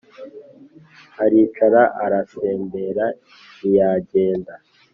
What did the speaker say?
Aricara aransembera ntiyagenda